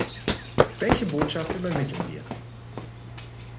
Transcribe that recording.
Welche Botschaft übermitteln wir?